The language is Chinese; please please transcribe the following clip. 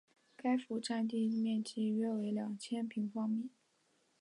该府第占地面积约两千平方米。